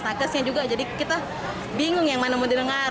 nakesnya juga jadi kita bingung yang mana mau didengar